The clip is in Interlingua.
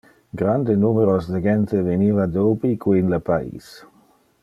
Grande numeros de gente veniva de ubique in le pais.